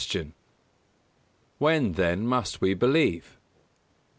_When, then, must we believe?